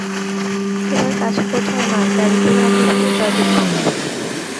এবার কাছে কোথাও নয়, গাড়ি করে একেবারে জয়দেবপুরে।